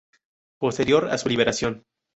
Posterior a su liberación.